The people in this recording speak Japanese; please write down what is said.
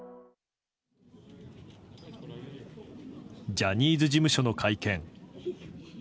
ジャニーズ事務所の会見。